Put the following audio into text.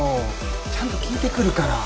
ちゃんと聞いてくるから。